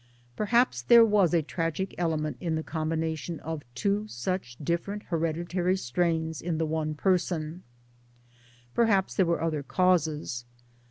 Perhaps there was a tragic element in the com bination of two such' different hereditary strains in the one person ; perhaps there were other causes.